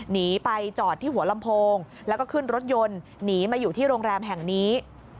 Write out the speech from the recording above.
หนีไปจอดที่หัวลำโพงแล้วก็ขึ้นรถยนต์หนีมาอยู่ที่โรงแรมแห่งนี้